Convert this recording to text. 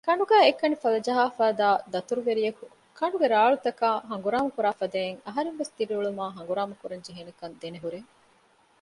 ކަނޑުގައި އެކަނި ފަލިޖަހާފައިދާ ދަތުރުވެރިޔަކު ކަނޑުގެ ރާޅުތަކާއި ހަނގުރާމަ ކުރާފަދައިން އަހަރެންވެސް ދިރިއުޅުމާއި ހަނގުރާމަ ކުރަން ޖެހޭނެކަން ދެނެހުރޭ